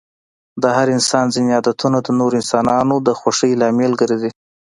د هر انسان ځيني عادتونه د نورو انسانانو د خوښی لامل ګرځي.